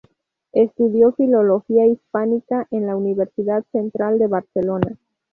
Estudió filología hispánica en la Universidad Central de Barcelona.